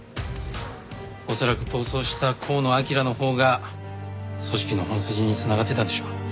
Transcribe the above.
恐らく逃走した河野彬のほうが組織の本筋に繋がってたんでしょう。